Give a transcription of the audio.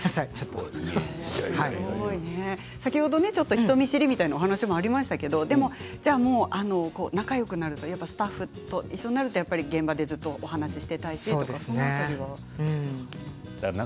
人見知りという話がありましたけど仲よくなるとスタッフと一緒になると現場でずっとお話をしていたいという感じですか？